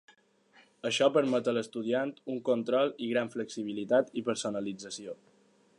Això permet a l'estudiant un control i gran flexibilitat i personalització.